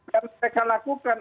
yang mereka lakukan